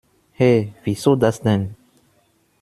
Hä, wieso das denn?